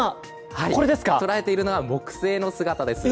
捉えているのが木星の姿です。